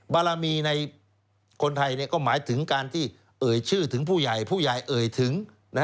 บารมีในคนไทยก็หมายถึงการที่เอ่ยชื่อถึงผู้ใหญ่ผู้ใหญ่เอ่ยถึง